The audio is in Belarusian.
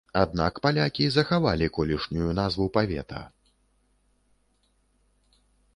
Аднак палякі захавалі колішнюю назву павета.